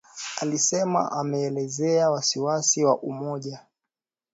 Alisema ameelezea wasiwasi wa umoja